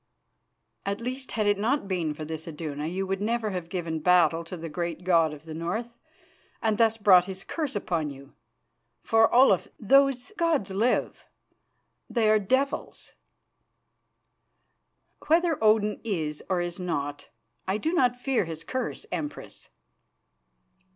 "At least, had it not been for this Iduna you would never have given battle to the great god of the North and thus brought his curse upon you. For, Olaf, those gods live; they are devils." "Whether Odin is or is not, I do not fear his curse, Empress."